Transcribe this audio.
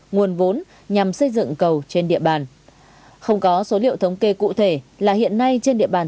nguồn vốn nhằm xây dựng cầu trên địa bàn không có số liệu thống kê cụ thể là hiện nay trên địa bàn